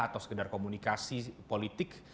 atau sekedar komunikasi politik